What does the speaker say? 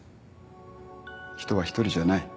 人は一人じゃない。